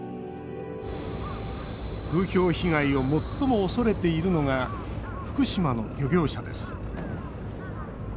風評被害を最も恐れているのが福島の漁業者です。